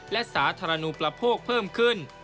และสาธารณูประโภคเพิ่มขึ้น